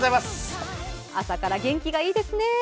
朝から元気がいいですね。